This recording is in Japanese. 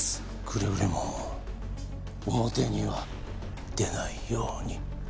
くれぐれも表には出ないように。